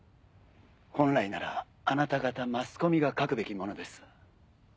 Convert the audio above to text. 本来ならあなた方マスコミが書くべきものです。